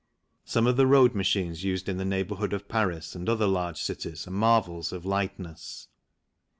Some of the road machines used in the neighbourhood of Paris and other large cities are marvels of lightness.